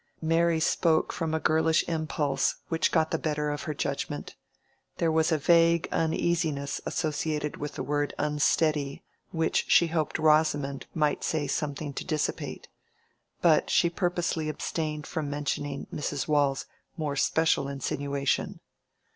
Mary spoke from a girlish impulse which got the better of her judgment. There was a vague uneasiness associated with the word "unsteady" which she hoped Rosamond might say something to dissipate. But she purposely abstained from mentioning Mrs. Waule's more special insinuation.